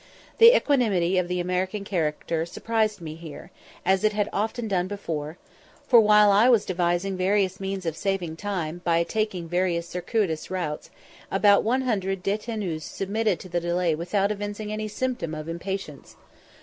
The equanimity of the American character surprised me here, as it often had before; for, while I was devising various means of saving time, by taking various circuitous routes, about 100 détenus submitted to the delay without evincing any symptoms of impatience.